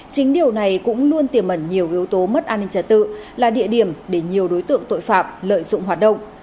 chính điều này cũng luôn tiềm ẩn nhiều yếu tố mất an ninh trả tự là địa điểm để nhiều đối tượng tội phạm lợi dụng hoạt động